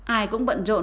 ai cũng bận rộn